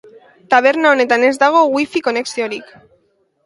Taberna honetan ez dago Wi-Fi konexiorik.